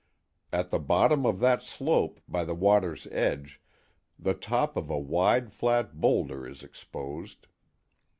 At the bottom of that slope, by the water's edge, the top of a wide flat boulder is exposed.